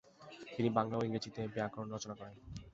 তিনি বাংলা ও ইংরেজিতে ব্যাকরণ রচনা করেন।